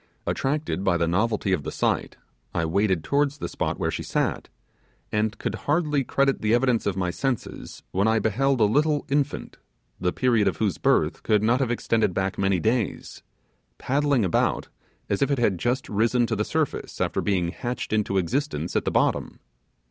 Attracted by the novelty of the sight, I waded towards the spot where she sat, and could hardly credit the evidence of my senses when I beheld a little infant, the period of whose birth could not have extended back many days, paddling about as if it had just risen to the surface, after being hatched into existence at the bottom.